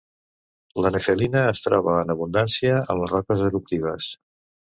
La nefelina es troba en abundància en les roques eruptives.